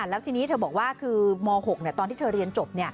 แล้วทีนี้เธอบอกว่าคือม๖ตอนที่เธอเรียนจบ